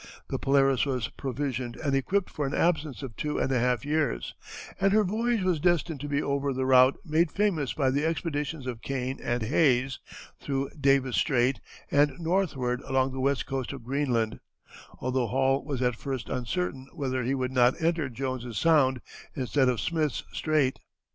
The Polaris was provisioned and equipped for an absence of two and a half years, and her voyage was destined to be over the route made famous by the expeditions of Kane and Hayes, through Davis Strait and northward along the west coast of Greenland, although Hall was at first uncertain whether he would not enter Jones's Sound, instead of Smith's Strait.